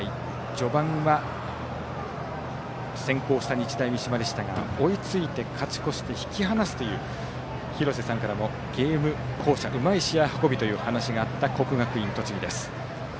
序盤は先行した日大三島でしたが追いついて、勝ち越して引き離すという廣瀬さんからもゲーム巧者うまい試合運びという話があった国学院栃木です。